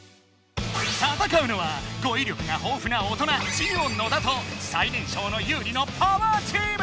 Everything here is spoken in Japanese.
戦うのは語い力がほうふな大人ジオ野田と最年少のユウリのパワーチーム！